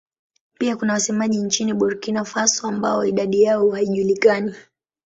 Pia kuna wasemaji nchini Burkina Faso ambao idadi yao haijulikani.